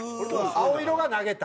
青色が投げた。